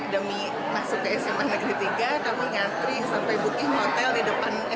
demi masuk ke sma negeri tiga kami ngantri sampai booking hotel di depan sma